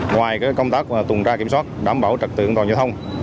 ngoài công tác tùng tra kiểm soát đảm bảo trật tượng toàn giao thông